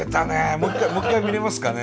もう一回見れますかね。